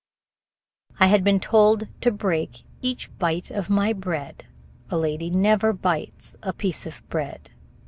I had been told to break each bite of my bread; a lady never bites a piece of bread.